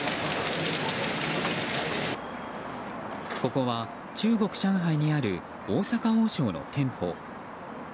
ここは、中国・上海にある大阪王将の店舗。